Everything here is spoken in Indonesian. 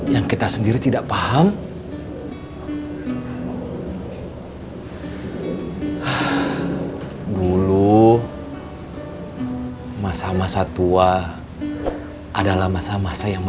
yang kita sendiri tidak paham